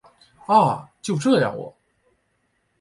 啊！就这样喔